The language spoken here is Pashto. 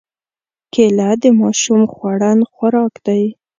کېله د ماشوم خوړن خوراک دی.